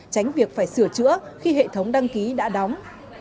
tránh việc phải sửa chữa khi hệ thống đăng ký đã đóng